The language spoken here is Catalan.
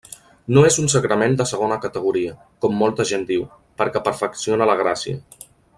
No és un sagrament de segona categoria, com molta gent diu, perquè perfecciona la gràcia.